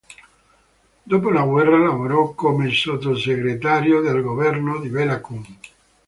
Dopo la guerra lavorò come sottosegretario nel governo di Béla Kun.